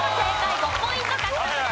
５ポイント獲得です。